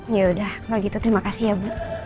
yaudah kalau gitu terima kasih ya bu